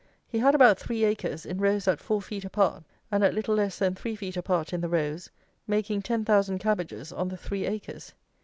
He had about three acres, in rows at four feet apart, and at little less than three feet apart in the rows, making ten thousand cabbages on the three acres.